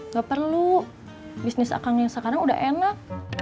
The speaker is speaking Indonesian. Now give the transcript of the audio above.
gak perlu bisnis akangnya sekarang udah enak